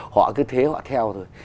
họ cứ thế họ theo thôi